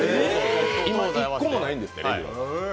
今まで１個もないんですってレギュラー。